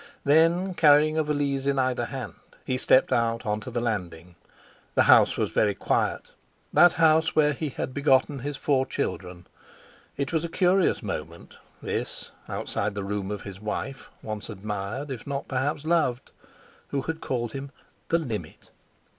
Then, carrying a valise in either hand, he stepped out onto the landing. The house was very quiet—that house where he had begotten his four children. It was a curious moment, this, outside the room of his wife, once admired, if not perhaps loved, who had called him "the limit."